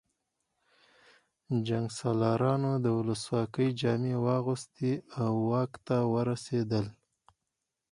جنګسالارانو د ولسواکۍ جامې واغوستې او واک ته ورسېدل